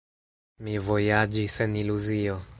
Mi vojaĝis en iluzio.